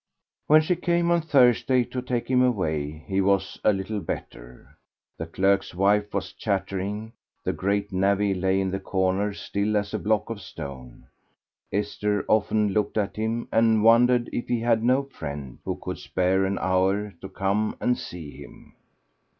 When she came on Thursday to take him away, he was a little better. The clerk's wife was chattering; the great navvy lay in the corner, still as a block of stone. Esther often looked at him and wondered if he had no friend who could spare an hour to come and see him.